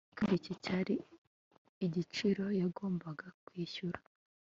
kandi iki cyari igiciro yagombaga kwishyura